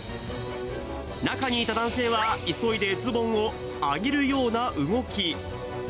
中にいた男性は急いでズボンを上げるような動き。